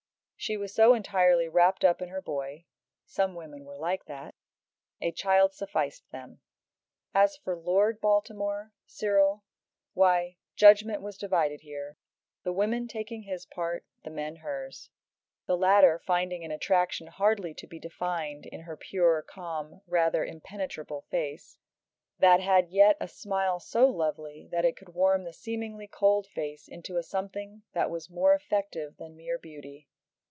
She was so entirely wrapped up in her boy some women were like that a child sufficed them. And as for Lord Baltimore Cyril why Judgment was divided here; the women taking his part, the men hers. The latter finding an attraction hardly to be defined in her pure, calm, rather impenetrable face, that had yet a smile so lovely that it could warm the seemingly cold face into a something that was more effective than mere beauty.